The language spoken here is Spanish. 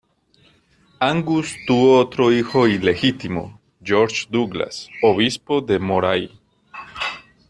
Angus tuvo otro hijo ilegítimo, George Douglas, obispo de Moray.